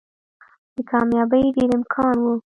د کاميابۍ ډېر امکان وو